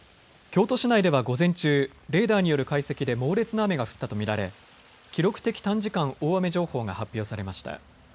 京都市内では午前中、レーダーによる解析で猛烈な雨が降ったと見られ記録的短時間大雨情報が発表されました。